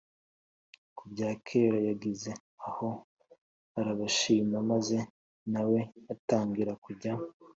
ku bya kera, yageze aho arabashima, maze na we atangira kujya